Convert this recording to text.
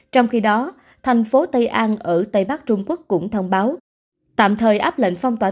trong khi đó thành phố tây an ở tây bắc trung quốc cũng thông báo tạm thời áp lệnh phong tỏa